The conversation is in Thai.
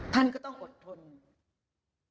ท่านก็ต้องอดทน